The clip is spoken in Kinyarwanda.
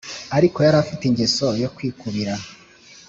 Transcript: ariko yarafite ingeso yo kwikubira